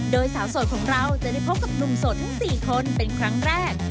โดยสาวโสดของเราจะได้พบกับหนุ่มโสดทั้ง๔คนเป็นครั้งแรก